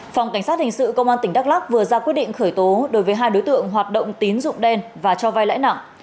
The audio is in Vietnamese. phòng cảnh sát hình sự công an tỉnh đắk lắc vừa ra quyết định khởi tố đối với hai đối tượng hoạt động tín dụng đen và cho vai lãi nặng